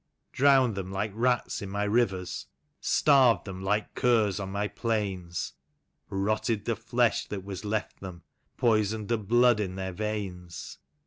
Drowned them like rats in my rivers, starved them like curs on my plains. Rotted the flesh that was left them, poisoned the blood in their veins; THE LA W OF THE YUKON.